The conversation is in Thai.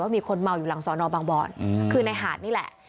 มีคนเมาอยู่หลังสอนอบางบอนคือในหาดนี่แหละ